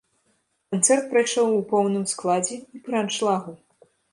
Канцэрт прайшоў у поўным складзе і пры аншлагу.